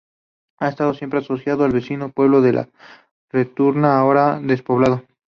Ha estado siempre asociado al vecino pueblo de La Retuerta, ahora despoblado.